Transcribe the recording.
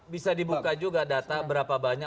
bisa dibuka juga data berapa banyak